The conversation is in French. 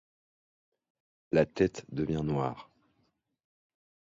La tête devient noire.